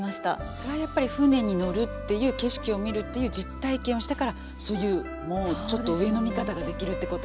それはやっぱり船に乗るっていう景色を見るっていう実体験をしたからそういうもうちょっと上の見方ができるってことだ。